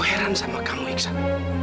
heran sama kamu iksan